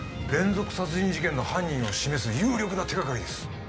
連続殺人事件の犯人を示す有力な手がかりです